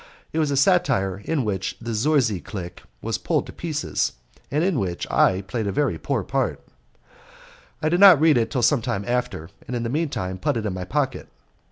It was a satire in which the Zorzi clique was pulled to pieces, and in which I played a very poor part. I did not read it till some time after, and in the mean time put it in my pocket.